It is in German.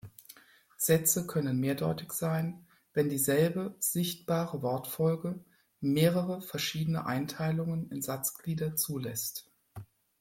Sätze können mehrdeutig sein, wenn dieselbe sichtbare Wortfolge mehrere verschiedene Einteilungen in Satzglieder zulässt.